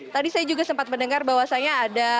tadi saya juga sempat mendengar bahwasannya ada